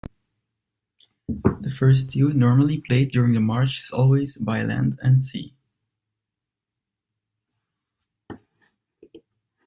The first tune normally played during the march is always 'By land and sea'.